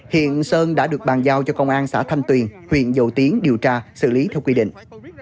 hiện sơn đã được bàn giao cho công an xã thanh tuyền huyện dầu tiến điều tra xử lý theo quy định